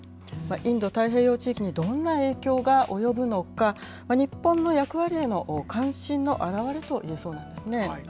インド太平洋地域にどんな影響が及ぶのか、日本の役割への関心の表れといえそうなんですね。